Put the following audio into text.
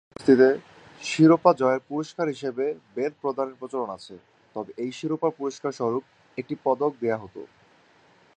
পেশাদারি কুস্তিতে শিরোপা জয়ের পুরস্কার হিসেবে বেল্ট প্রদানের প্রচলন আছে, তবে এই শিরোপার পুরস্কার সরূপ একটি পদক দেয়া হতো।